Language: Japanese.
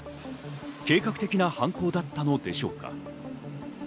計画的な犯行だったのでしょうか。